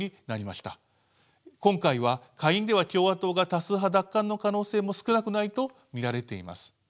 今回は下院では共和党が多数派奪還の可能性も少なくないと見られています。